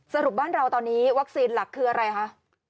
สรุปบ้านเราตอนนี้วัคซีนหลักคืออะไรคะ